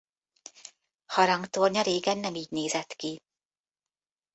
Harangtornya régen nem így nézett ki.